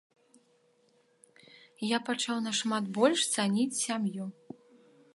Я пачаў нашмат больш цаніць сям'ю.